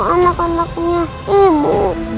udah ketemu anak anaknya ibu